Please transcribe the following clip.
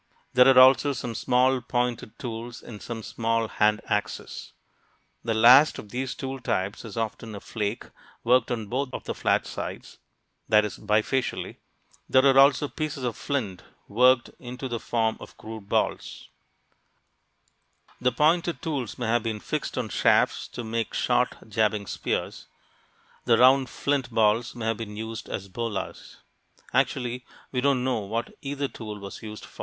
There are also some small pointed tools and some small "hand axes." The last of these tool types is often a flake worked on both of the flat sides (that is, bifacially). There are also pieces of flint worked into the form of crude balls. The pointed tools may have been fixed on shafts to make short jabbing spears; the round flint balls may have been used as bolas. Actually, we don't know what either tool was used for. The points and side scrapers are illustrated (pp.